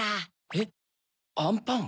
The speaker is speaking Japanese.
えっあんパン？